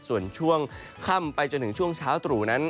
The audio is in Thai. ส่วนช่วงค่ำไปจนถึงช่วงเช้าตรู่นั้น